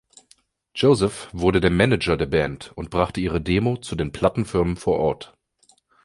Joseph wurde der Manager der Band und brachte ihre Demo zu den Plattenfirmen vor Ort.